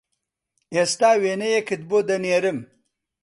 ئێستا وێنەیەکت بۆ دەنێرم